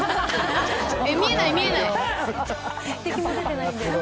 見えない、見えない。